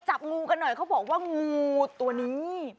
จับงูกันหน่อยเขาบอกว่างูตัวนี้